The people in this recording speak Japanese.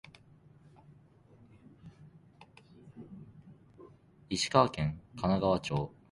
石川県金沢市